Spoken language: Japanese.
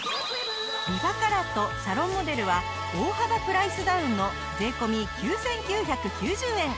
リファカラットサロンモデルは大幅プライスダウンの税込９９９０円。